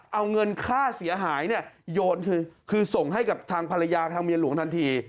เอาเงินค่าเสียหายเนี่ยโยนคือส่งให้กับทางภรรยาทางเมียหลวงทันที